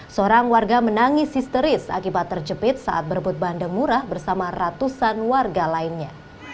seorang warga menangis histeris akibat terjepit saat berebut bandeng murah bersama ratusan warga lainnya